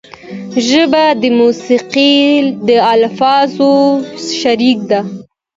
ژبه د موسیقۍ د الفاظو شریک ده